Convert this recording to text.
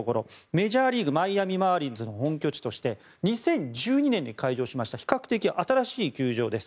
メジャーリーグマイアミ・マーリンズの本拠地として２０１２年に開場しました比較的新しい球場です。